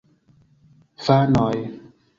Fanoj!